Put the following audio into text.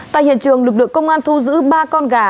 tại hiện trường lực lượng công an thu giữ ba con gà